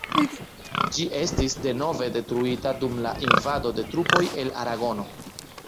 Ĝi estis denove detruita dum la invado de trupoj el aragono.